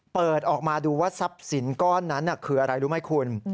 เปิดออกมาดูว่าทรัพย์สินก้อนนั้นคืออะไรรู้ไหมคุณ